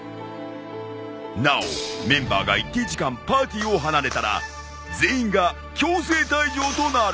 なおメンバーが一定時間パーティーを離れたら全員が強制退場となる。